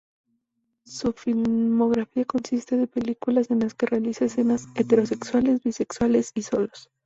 Su filmografía consiste de películas en las que realiza escenas heterosexuales, bisexuales y solos.